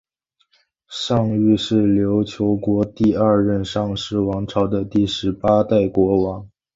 尚育是琉球国第二尚氏王朝的第十八代国王。